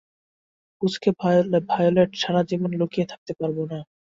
পুচকে ভায়োলেট সারা জীবন লুকিয়ে থাকতে পারবো না।